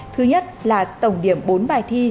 thứ nhất là tổng điểm bốn bài thi